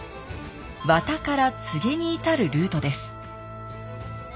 和田から柘植に至るルートです